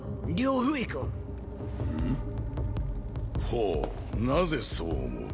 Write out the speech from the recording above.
ほうなぜそう思う？